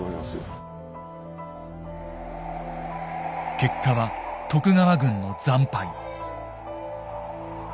結果は徳川軍の惨敗。